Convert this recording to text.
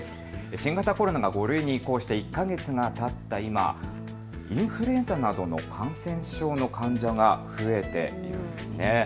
新型コロナが５類に移行して１か月がたった今、インフルエンザなどの感染症の患者が増えているんです。